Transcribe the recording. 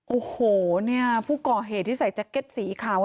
โอ้โหเนี่ยผู้ก่อเหตุที่ใส่แจ็คเก็ตสีขาว